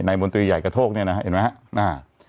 ในบนตรีใหญ่กระโทกนี่นะเห็นไหมนะ